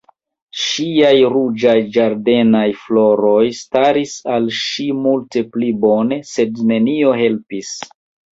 Ŝiaj ruĝaj ĝardenaj floroj staris al ŝi multe pli bone, sed nenio helpis.